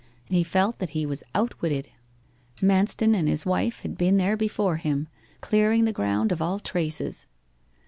He felt that he was outwitted. Manston and his wife had been there before him, clearing the ground of all traces.